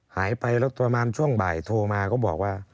หายไปแล้วประมาณช่วงบ่ายโทรมาก็บอกว่า